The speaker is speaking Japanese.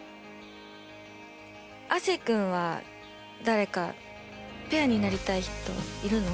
亜生君は誰かペアになりたい人いるの？